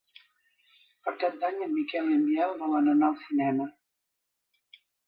Per Cap d'Any en Miquel i en Biel volen anar al cinema.